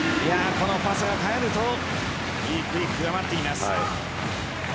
このパスが返るとＢクイックが待っています。